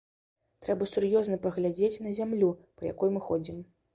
Трэба сур'ёзна паглядзець на зямлю, па якой мы ходзім.